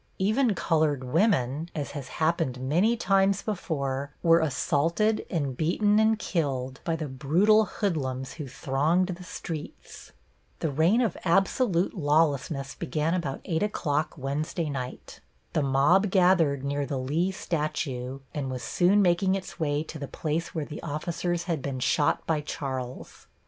Even colored women, as has happened many times before, were assaulted and beaten and killed by the brutal hoodlums who thronged the streets. The reign of absolute lawlessness began about 8 o'clock Wednesday night. The mob gathered near the Lee statue and was soon making its way to the place where the officers had been shot by Charles.